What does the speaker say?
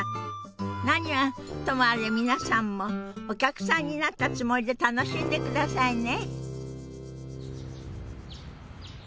何はともあれ皆さんもお客さんになったつもりで楽しんでくださいね。